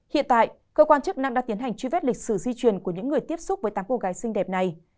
hiện tại cơ quan chức năng đã tiến hành truy vết lịch sử di truyền của những người tiếp xúc với tám cô gái xinh đẹp này